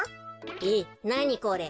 えっなにこれ？